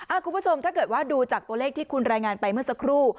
คุณผู้ชมถ้าเกิดว่าดูจากตัวเลขที่คุณรายงานไปเมื่อสักครู่